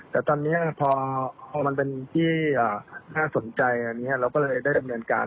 แต่ตอนนี้พอมันเป็นที่น่าสนใจเราก็เลยได้เรียนการ